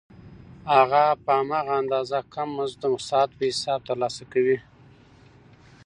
هغه په هماغه اندازه کم مزد د ساعت په حساب ترلاسه کوي